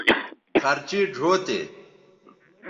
خرچیئ ڙھؤ تے